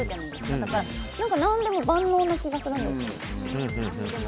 だから何でも万能な気がするんですよ。